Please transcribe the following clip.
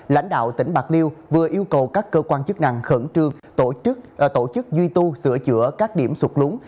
lãnh đạo tỉnh bạc liêu vừa yêu cầu các cơ quan chức năng khẩn trương tổ chức duy tu sửa chữa các điểm sụt lún